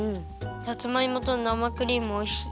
さつまいもとなまクリームおいしい。